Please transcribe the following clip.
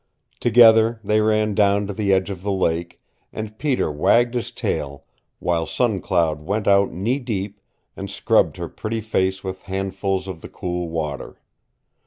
Together they ran down to the edge of the lake, and Peter wagged his tail while Sun Cloud went out knee deep and scrubbed her pretty face with handfuls of the cool water.